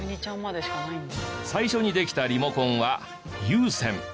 最初にできたリモコンは有線。